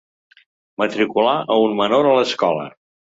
Matricular a un menor a l'escola.